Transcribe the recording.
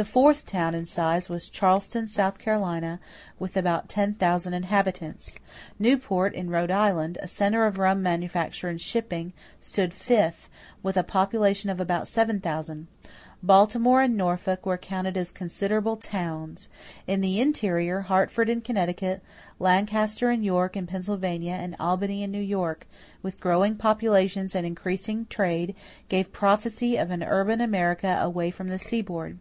The fourth town in size was Charleston, South Carolina, with about 10,000 inhabitants. Newport in Rhode Island, a center of rum manufacture and shipping, stood fifth, with a population of about 7000. Baltimore and Norfolk were counted as "considerable towns." In the interior, Hartford in Connecticut, Lancaster and York in Pennsylvania, and Albany in New York, with growing populations and increasing trade, gave prophecy of an urban America away from the seaboard.